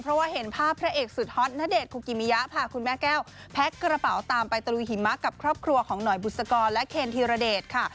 เพราะว่าเห็นภาพพระเอกสุดฮอตณเดชนคุกิมิยะพาคุณแม่แก้วแพ็คกระเป๋าตามไปตะลุยหิมะกับครอบครัวของหน่อยบุษกรและเคนธีรเดชค่ะ